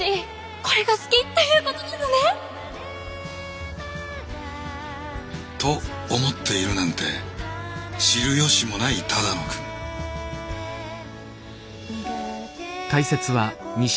「これが好きっていうことなのね！」。と思っているなんて知る由もない只野くん。